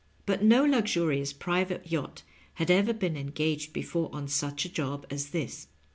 But no luxurious private yacht had ever been engaged before on such a job as this.